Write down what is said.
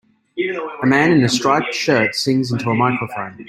A man in a striped shirt sings into a microphone.